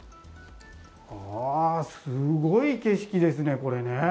あー、すごい景色ですね、これね。